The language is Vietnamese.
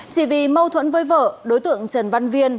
chỉ vì mâu thuẫn với vợ đối tượng trần văn viên